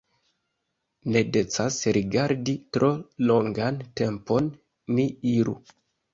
Ne decas rigardi tro longan tempon, ni iru!